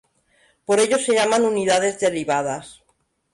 Por ello se llaman "unidades derivadas".